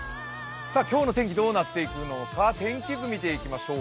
今日の天気どうなっていくのか天気図見ていきましょう。